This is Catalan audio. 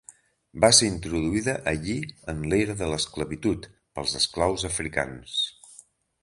Va ser introduïda allí en l'era de l'esclavitud, pels esclaus africans.